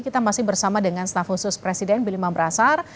kita masih bersama dengan staf khusus presiden bill mambrasar